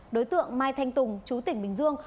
đối tượng mai thanh tùng chú tỉnh bình dương